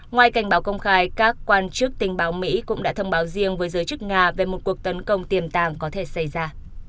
ngoài cảnh báo công khai các quan chức tình báo mỹ cũng đã thông báo riêng với giới chức nga về một cuộc tấn công tiềm tàng có thể xảy ra